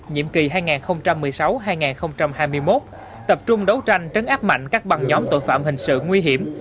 nhiệm kỳ hai nghìn một mươi sáu hai nghìn hai mươi một tập trung đấu tranh trấn áp mạnh các băng nhóm tội phạm hình sự nguy hiểm